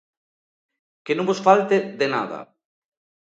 Que non vos falte de nada.